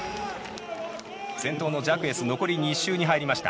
先頭のジャクエス残り２周に入りました。